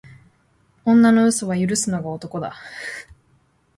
女の嘘は許すのが男だ